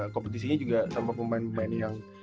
kompetisinya juga tanpa pemain pemain yang